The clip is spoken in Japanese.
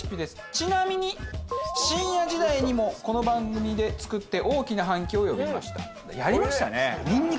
ちなみに深夜時代にもこの番組で作って大きな反響を呼びました。